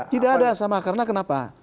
tidak ada sama karena kenapa